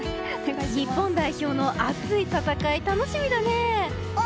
日本代表の熱い戦い楽しみだね。